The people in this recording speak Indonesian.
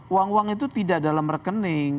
uang uang itu tidak dalam rekening